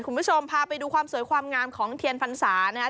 คุณผู้ชมพาไปดูความสวยความงามของเทียนพรรษานะครับ